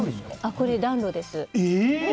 これ、暖炉です。